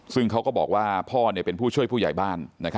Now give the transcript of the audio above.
ซึ่งเขาก็บอกว่าพ่อเป็นผู้ช่วยผู้ใหญ่บ้าน